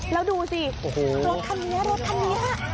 แล้วดูสิรถทางเนี่ยรถทางเนี่ย